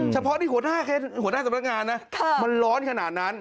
เฉพาะนี่หัวหน้าสำนักงานนะมันร้อนขนาดนั้น